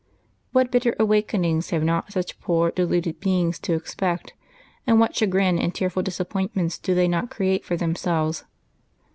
What bitter awakenings have not such poor deluded beings to expect, and what chagrin and tearful disappointments do they not create for themselves